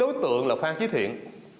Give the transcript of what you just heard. đối tượng là phan trí thiện